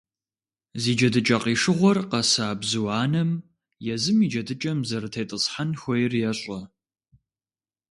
Зи джэдыкӀэ къишыгъуэр къэса бзу анэм езым и джэдыкӀэм зэрытетӀысхьэн хуейр ещӀэ.